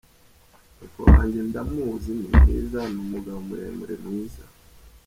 Papa wanjye ndamuzi, ni mwiza, ni umugabo muremure mwiza.